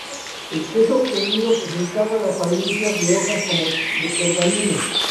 El queso obtenido presentaba la apariencias de hojas como de pergamino.